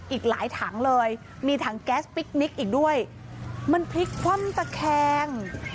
อีกหลายถังเลยมีถังแก๊สปิ๊กนิกอีกด้วยมันพลิกคว่ำตะแคง